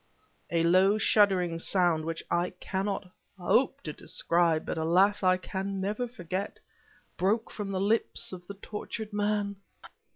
A low shuddering sound, which I cannot hope to describe, but alas I can never forget, broke from the lips of the tortured man.